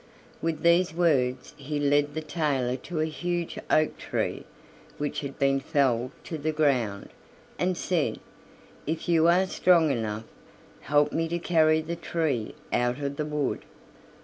With these words he led the tailor to a huge oak tree which had been felled to the ground, and said: "If you are strong enough, help me to carry the tree out of the wood."